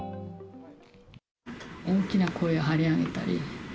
大きな声を張り上げたり。